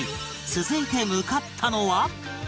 続いて向かったのは